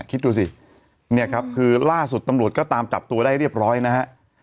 คิดดูสิเนี่ยครับคือล่าสุดตำรวจก็ตามจับตัวได้เรียบร้อยนะฮะ